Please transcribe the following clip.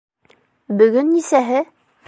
Бөгөн нисәһе?